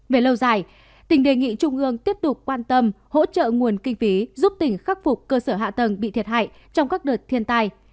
về lâu dài tỉnh đề nghị trung ương tiếp tục quan tâm hỗ trợ nguồn kinh phí giúp tỉnh khắc phục cơ sở hạ tầng bị thiệt hại trong các đợt thiên tai